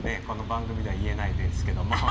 この番組では言えないですけども。